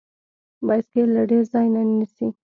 بایسکل له ډیر ځای نه نیسي.